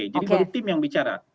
jadi baru tim yang bicara